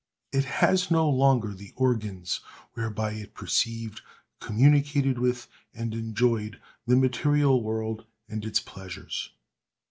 It has no longer the organs whereby it perceived, communicated with, and enjoyed, the material world and its pleasures.